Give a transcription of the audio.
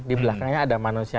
di belakangnya ada manusia